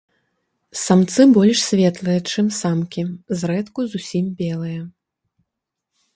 Самцы больш светлыя, чым самкі, зрэдку зусім белыя.